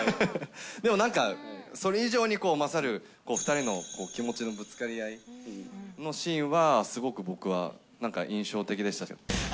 でも、なんかそれ以上に勝る、２人の気持ちのぶつかり合いのシーンは、すごく僕は、なんか、印象的でしたけどね。